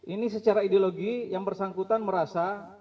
ini secara ideologi yang bersangkutan merasa